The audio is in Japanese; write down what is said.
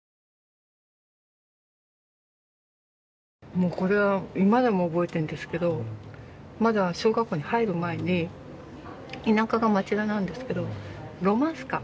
もうこれは今でも覚えてんですけどまだ小学校に入る前に田舎が町田なんですけどロマンスカー